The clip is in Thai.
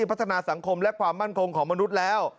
พัฒนาสังคมและความมั่นคงของมนุษย์แล้ว